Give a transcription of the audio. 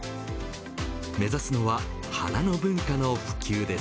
目指すのは花の文化の普及です。